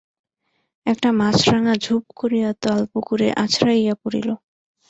একটা মাছরাঙা ঝুপ করিয়া তালপুকুরে আছড়াইয়া পড়িল।